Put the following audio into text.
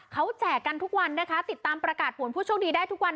เขาแจกกันทุกวันนะคะติดตามประกาศผลผู้โชคดีได้ทุกวัน